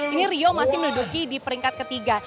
ini rio masih menduduki di peringkat ketiga